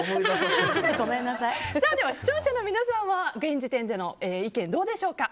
視聴者の皆さんは現時点での意見どうでしょうか。